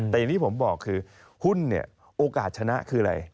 แต่อย่างที่ผมบอกคือหุ้นเนี่ยโอกาสชนะคืออะไร